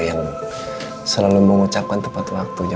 yang selalu mengucapkan tepat waktu jam lima belas